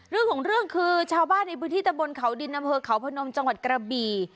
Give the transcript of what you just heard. เรื่องของเรื่องคือชาวบ้านในพื้นที่ตะบนเขาดินอำเภอเขาพนมจังหวัดกระบี่